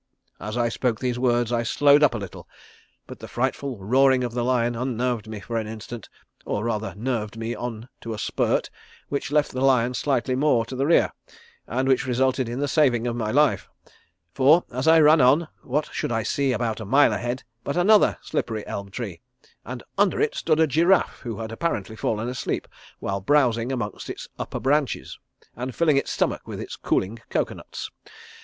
As I spoke these words, I slowed up a little, but the frightful roaring of the lion unnerved me for an instant, or rather nerved me on to a spurt, which left the lion slightly more to the rear and which resulted in the saving of my life; for as I ran on, what should I see about a mile ahead but another slippery elm tree, and under it stood a giraffe who had apparently fallen asleep while browsing among its upper branches, and filling its stomach with its cooling cocoanuts.